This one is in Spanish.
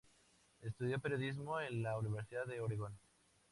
Estudió periodismo en la universidad de Oregón.